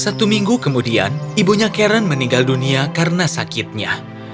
satu minggu kemudian ibunya karen meninggal dunia karena sakitnya